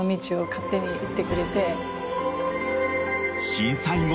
［震災後